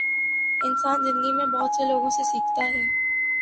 انسان زندگی میں بہت سے لوگوں سے سیکھتا ہے